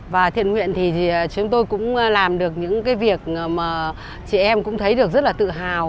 và thiện nguyện thì chúng tôi cũng làm được những cái việc mà chị em cũng thấy được rất là tự hào